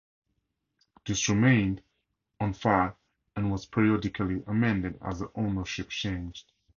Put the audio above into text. This remained on file, and was periodically amended as the ownership changed.